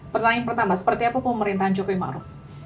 pertanyaan pertama seperti apa pemerintahan jokowi ma ruf